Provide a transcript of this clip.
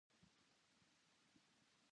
将来の自分を想像してみよう